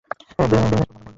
Restful rock কথা বলবেন।